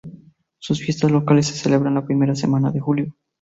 Sus fiestas locales se celebran la primera semana de julio.